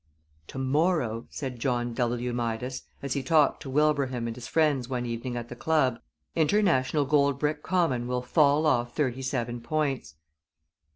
"To morrow," said John W. Midas, as he talked to Wilbraham and his friends one evening at the club, "International Gold Brick Common will fall off thirty seven points."